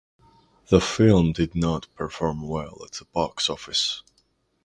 The film did not perform well at the box office.